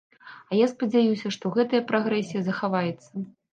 І я спадзяюся, што гэтая прагрэсія захаваецца.